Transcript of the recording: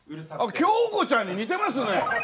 京子ちゃんに似てますね！